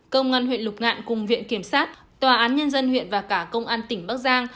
công an huyện lục ngạn cùng viện kiểm sát tòa án nhân dân huyện và cả công an tỉnh bắc giang